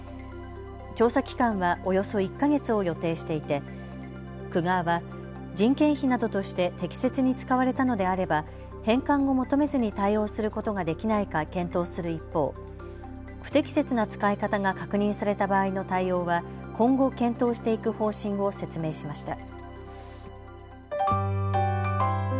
調査期間はおよそ１か月を予定していて区側は人件費などとして適切に使われたのであれば返還を求めずに対応することができないか検討する一方、不適切な使い方が確認された場合の対応は今後、検討していく方針を説明しました。